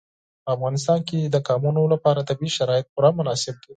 په افغانستان کې د قومونه لپاره طبیعي شرایط پوره مناسب دي.